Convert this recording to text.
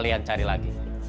bisa mencari lagi